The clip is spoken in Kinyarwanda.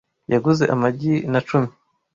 Yaguze amagi na cumi.